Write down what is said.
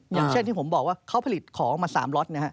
อย่างเช่นที่ผมบอกว่าเขาผลิตของมา๓ล็อตนะฮะ